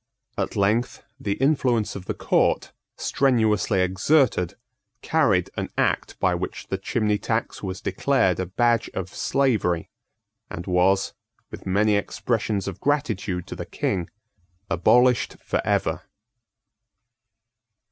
At length the influence of the Court, strenuously exerted, carried an Act by which the chimney tax was declared a badge of slavery, and was, with many expressions of gratitude to the King, abolished for ever.